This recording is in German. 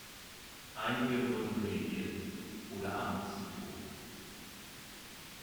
Einige wurden relegiert oder amtsenthoben.